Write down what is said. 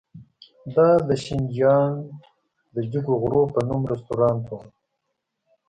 دا د شینجیانګ د جګو غرونو په نوم رستورانت و.